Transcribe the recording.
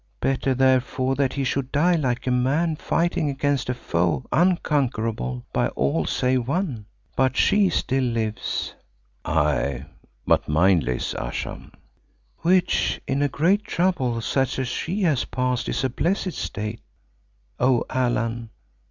Better, therefore, that he should die like a man fighting against a foe unconquerable by all save one. But she still lives." "Aye, but mindless, Ayesha." "Which, in great trouble such as she has passed, is a blessed state, O Allan.